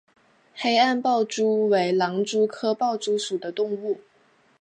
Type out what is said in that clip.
黑暗豹蛛为狼蛛科豹蛛属的动物。